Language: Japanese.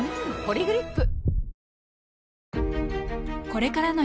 「ポリグリップ」